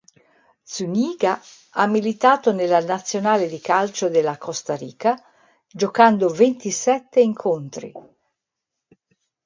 Zúñiga ha militato nella nazionale di calcio della Costa Rica, giocando ventisette incontri.